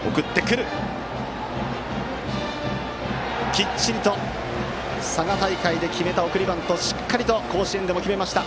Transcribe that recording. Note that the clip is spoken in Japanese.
きっちりと、佐賀大会で決めた送りバントをしっかりと甲子園でも決めました。